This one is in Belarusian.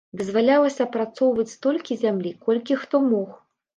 Дазвалялася апрацоўваць столькі зямлі, колькі хто мог.